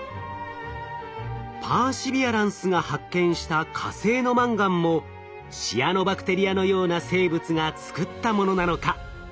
パーシビアランスが発見した火星のマンガンもシアノバクテリアのような生物が作ったものなのか？